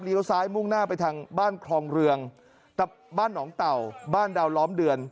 ซ้ายมุ่งหน้าไปทางบ้านคลองเรืองบ้านหนองเต่าบ้านดาวล้อมเดือน